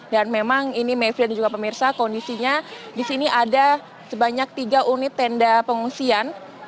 dan memang ini mayfren juga pemirsa kondisinya di sini ada sebanyak tiga unit tenda pengungsian